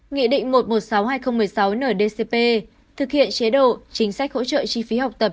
nghị định một trăm một mươi sáu hai nghìn một mươi sáu ndcp thực hiện chế độ chính sách hỗ trợ chi phí học tập